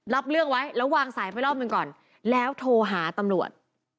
รับเรื่องไว้แล้ววางสายไปรอบหนึ่งก่อนแล้วโทรหาตำรวจ